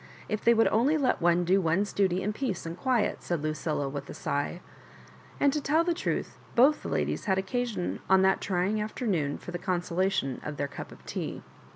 If they would only let one do one's duty in peace and quiet," said Lucilla, with a sigh ; and to tell the truth, both the ladies had occasion on that trying afternoon for the con solation of their cup of tea.